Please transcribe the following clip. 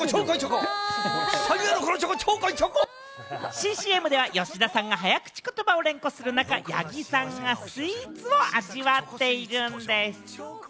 新ＣＭでは吉田さんが早口言葉を連呼する中、八木さんがスイーツを味わっているんでぃす。